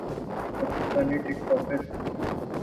Pakistani ٹک talker